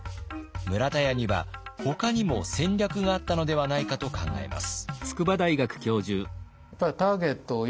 村田屋にはほかにも戦略があったのではないかと考えます。